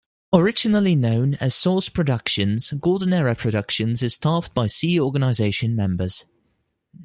Originally known as Source Productions, Golden Era Productions is staffed by Sea Organization members.